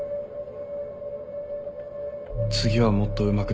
次はもっとうまくできると思います。